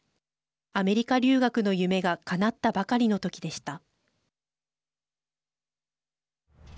アメリカ留学の夢がかなったばかりの時でした。